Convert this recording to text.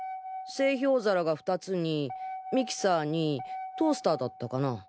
製氷皿が２つにミキサーにトースターだったかな。